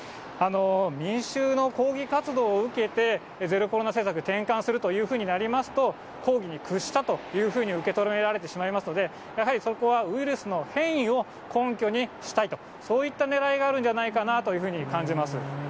民衆の抗議活動を受けて、ゼロコロナ政策、転換するというふうになりますと、抗議に屈したというふうに受け止められてしまいますので、やはりそこはウイルスの変異を根拠にしたいと、そういったねらいがあるんじゃないかなというふうに感じます。